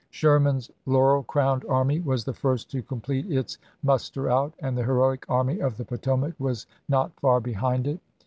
Sherman's laurel crowned army was the first to complete its muster out, and the heroic Army of the Potomac was not far behind it.